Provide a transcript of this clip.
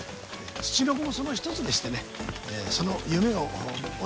ツチノコもその一つでしてねその夢を追い求めようと。